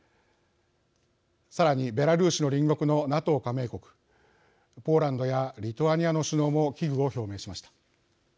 さらにベラルーシの隣国のＮＡＴＯ加盟国ポーランドやリトアニアの首脳も危惧を表明しました。